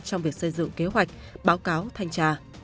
trong việc xây dựng kế hoạch báo cáo thanh tra